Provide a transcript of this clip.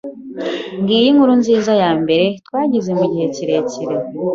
Ngiyo inkuru nziza yambere twagize mugihe kirekire.